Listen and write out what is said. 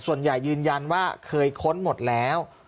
ส่วนใหญ่ยืนยันว่าเคยค้นหมดแล้ว